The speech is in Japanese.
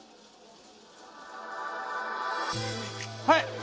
はい！